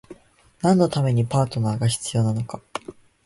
何のためにパートナーが必要なのか？